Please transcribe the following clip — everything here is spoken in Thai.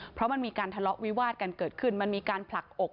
เพราะมันมีการทะเลาะวิวาดกันเกิดขึ้นมันมีการผลักอก